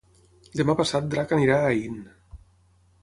Demà passat en Drac irà a Aín.